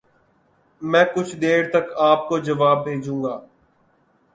میں کچھ دیر تک آپ کو جواب بھیجوں گا۔۔۔